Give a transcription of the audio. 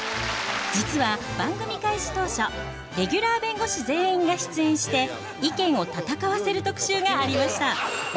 実は番組開始当初レギュラー弁護士全員が出演して意見を戦わせる特集がありました。